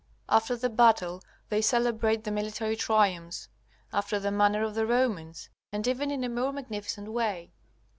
After the battle they celebrate the military triumphs after the manner of the Romans, and even in a more magnificent way.